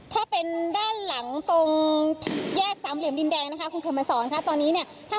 คุณเข็มมาสอนตอนนี้